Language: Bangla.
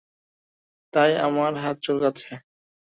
তাই আমার হাত চুলকাচ্ছে।